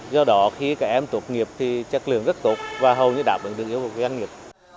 do đó khi các em tụt nghiệp thì chất lượng rất tốt và hầu như đảm bảo được yêu cầu doanh nghiệp